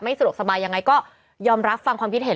เป็นการกระตุ้นการไหลเวียนของเลือด